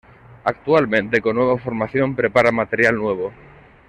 Actualmente, con nueva formación preparan material nuevo.